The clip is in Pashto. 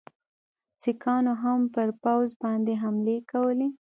سیکهانو هم پر پوځ باندي حملې کولې.